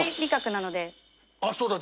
あっそうだ。